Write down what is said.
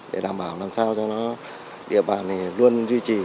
để đảm bảo làm sao cho nó địa bàn luôn duy trì